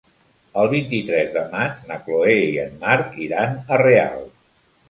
El vint-i-tres de maig na Chloé i en Marc iran a Real.